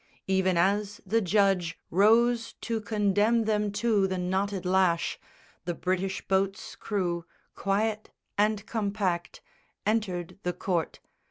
Even as the judge Rose to condemn them to the knotted lash The British boat's crew, quiet and compact, Entered the court.